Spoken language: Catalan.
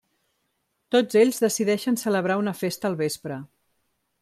Tots ells decideixen celebrar una festa al vespre.